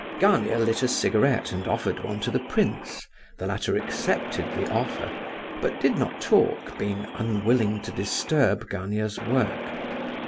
Gania lit a cigarette and offered one to the prince. The latter accepted the offer, but did not talk, being unwilling to disturb Gania's work.